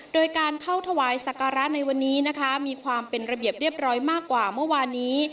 โดยการเข้าถวายสักการะในวันนี้นะคะมีความเป็นระเบียบเรียบร้อยมากกว่าเมื่อวานนี้